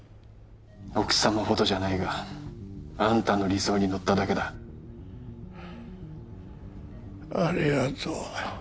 奥さまほどじゃないがあんたの理想にのっただけだありがとう